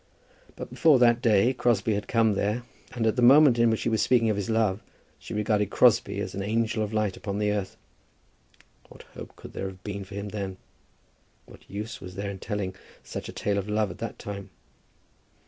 But before that day Crosbie had come there, and at the moment in which he was speaking of his love she regarded Crosbie as an angel of light upon the earth. What hope could there have been for him then? What use was there in his telling such a tale of love at that time?